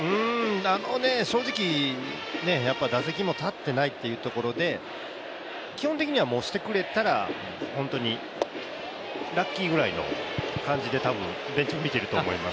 正直、打席にも立っていないというところで基本的にはしてくれたら本当にラッキーぐらいの気持ちで多分、ベンチを見ていると思います